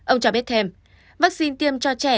ông cho biết thêm vaccine tiêm cho trẻ